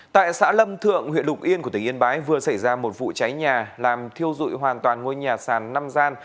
tại xã lâm thượng huyện lục yên của tỉnh yên bái vừa xảy ra một vụ cháy nhà làm thiêu dụi hoàn toàn ngôi nhà sàn năm gian